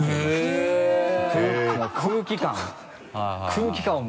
空気感を。